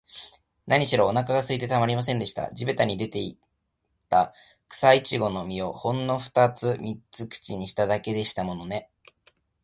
なにしろ、おなかがすいてたまりませんでした。地びたに出ていた、くさいちごの実を、ほんのふたつ三つ口にしただけでしたものね。